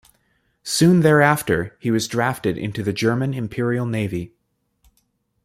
Soon thereafter, he was drafted into the German Imperial Navy.